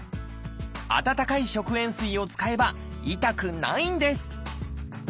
温かい食塩水を使えば痛くないんです。